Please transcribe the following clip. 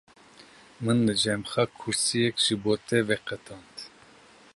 Min li cem xwe kursiyek ji bo te veqetand.